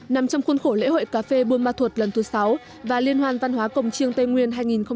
nằm trong khuôn khổ lễ hội cà phê buôn ma thuột lần thứ sáu và liên hoàn văn hóa cồng chiêng tây nguyên hai nghìn một mươi bảy